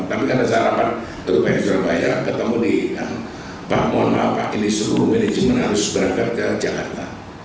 tapi karena saya rapat itu banyak banyak ketemu di pak mon pak pak ini seluruh manajemen harus berangkat ke jakarta